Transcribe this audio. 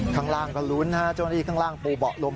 ข้างล่างก็ลุ้นฮะเจ้าหน้าที่ข้างล่างปูเบาะลม